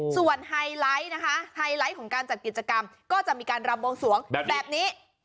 ส่วนไฮไลท์นะคะไฮไลท์ของการจัดกิจกรรมก็จะมีการรำบวงสวงแบบนี้